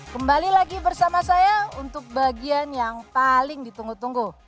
kembali lagi bersama saya untuk bagian yang paling ditunggu tunggu